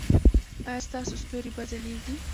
ایا ستاسو ستوري به ځلیږي؟